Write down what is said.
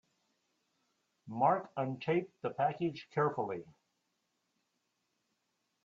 Mark untaped the package carefully.